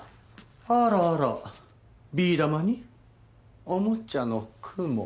あらあらビー玉におもちゃのクモ。